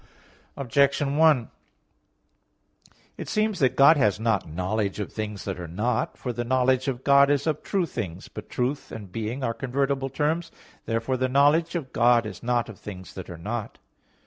Objection 1: It seems that God has not knowledge of things that are not. For the knowledge of God is of true things. But "truth" and "being" are convertible terms. Therefore the knowledge of God is not of things that are not.